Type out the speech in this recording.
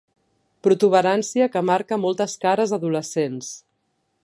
Protuberància que marca moltes cares adolescents.